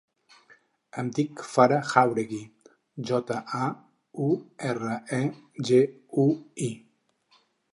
Em dic Farah Jauregui: jota, a, u, erra, e, ge, u, i.